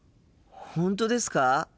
本当ですか？